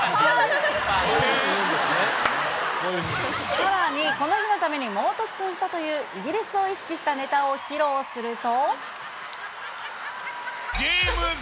さらにこの日のために猛特訓したというイギリスを意識したネタを披露すると。